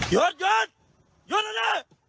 ยอดยอดยอดเอาล่ะ